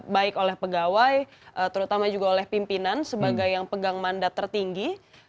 baik oleh pegawai terutama juga oleh pimpinan sebagai yang pegang mandat tertinggi